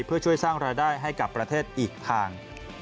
เพื่อช่วยสร้างรายได้ให้กับประเทศอีกทาง